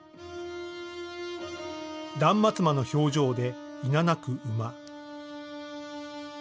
断末魔の表情でいななく馬。